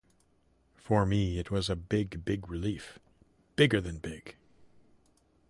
For me, it was a big, big relief, bigger than big.